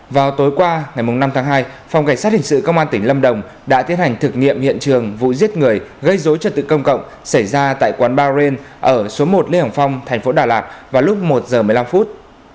vào tối qua ngày năm tháng hai phòng cảnh sát hình sự công an tỉnh lâm đồng đã tiến hành thực nghiệm hiện trường vụ giết người gây dối trật tự công cộng xảy ra tại quán ba rin ở số một lê hồng phong thành phố đà lạt vào lúc một giờ một mươi năm phút